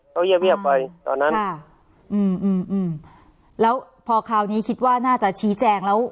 เขาเงียบเงียบไปตอนนั้นอ่าอืมอืมแล้วพอคราวนี้คิดว่าน่าจะชี้แจงแล้ว